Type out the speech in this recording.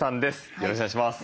よろしくお願いします。